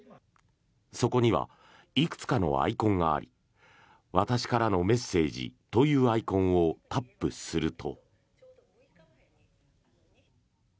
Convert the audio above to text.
そこにはいくつかのアイコンがあり私からのメッセージというアイコンをタップすると。